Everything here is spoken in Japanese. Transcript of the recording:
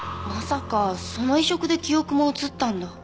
まさかその移植で記憶も移ったんだ？